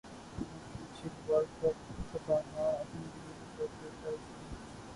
نہ پوچھ اقبال کا ٹھکانہ ابھی وہی کیفیت ہے اس کی